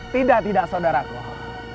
tidak tidak saudara kau